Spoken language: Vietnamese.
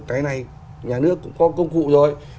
cái này nhà nước cũng có công cụ rồi